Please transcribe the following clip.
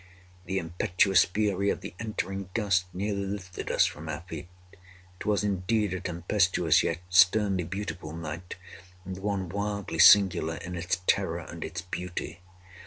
The impetuous fury of the entering gust nearly lifted us from our feet. It was, indeed, a tempestuous yet sternly beautiful night, and one wildly singular in its terror and its beauty.